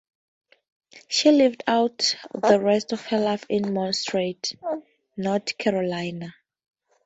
She lived out the rest of her life in Montreat, North Carolina.